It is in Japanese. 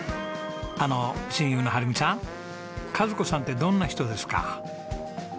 あの親友の治美さん和子さんってどんな人ですか？